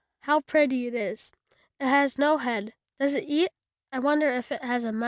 How pretty it is. It has no head. Does it eat? I wonder if it has a mouth."